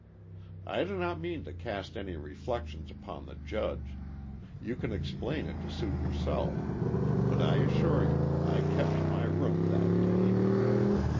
_ "I do not mean to cast any reflections upon the judge. You can explain it to suit yourself. But I assure you I kept to my room that day.